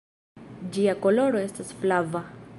Ĝia koloro estas flava.